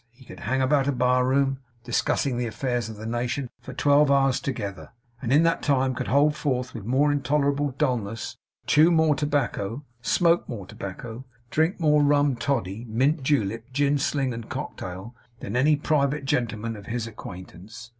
He could hang about a bar room, discussing the affairs of the nation, for twelve hours together; and in that time could hold forth with more intolerable dulness, chew more tobacco, smoke more tobacco, drink more rum toddy, mint julep, gin sling, and cocktail, than any private gentleman of his acquaintance.